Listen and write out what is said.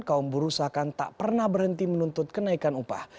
kaum buruh seakan tak pernah berhenti menuntut kenaikan upah